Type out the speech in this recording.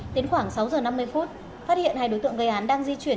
đến khoảng sáu giờ năm mươi phút phát hiện hai đối tượng gây án đang di chuyển